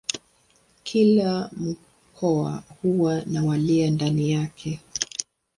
Kila mkoa huwa na wilaya ndani yake.